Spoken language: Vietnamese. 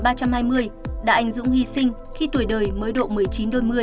đã ảnh dũng hy sinh khi tuổi đời mới độ một mươi chín hai mươi